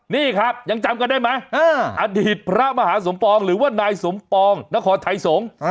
นี่ครับยังจำกันได้ไหมอดีตพระมหาสมปองหรือว่านายสมปองนครไทยสงฆ์